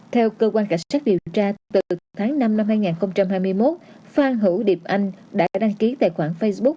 theo cơ quan cảnh sát điều tra từ tháng năm năm hai nghìn hai mươi một phan hữu điệp anh đã đăng ký tài khoản facebook